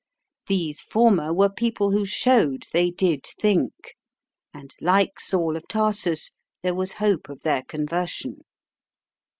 These former were people who showed they did think, and, like Saul of Tarsus, there was hope of their conversion.